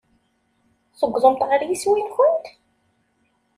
Tewwḍemt ɣer yiswi-nkent?